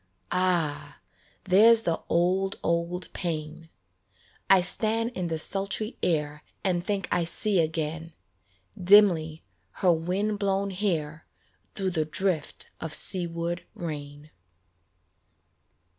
Ah ! there's the old, old pain I stand in the sultry air And think I see again, Dimly, her wind blown hair Through the drift of seaward rain.